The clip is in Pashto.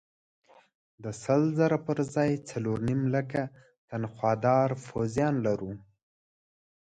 د سل زره پر ځای څلور نیم لکه تنخوادار پوځیان لرو.